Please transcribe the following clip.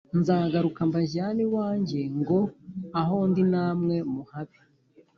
Nzagaruka mbajyane iwanjye ngo aho ndi namwe muhabe